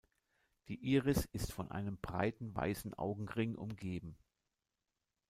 Die Iris ist von einem breiten weißen Augenring umgeben.